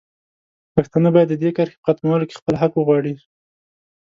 پښتانه باید د دې کرښې په ختمولو کې خپل حق وغواړي.